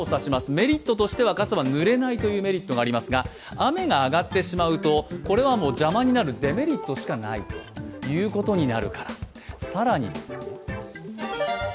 メリットとしては傘はぬれないメリットがありますが雨が上がってしまうと邪魔になるデメリットしかないからということです。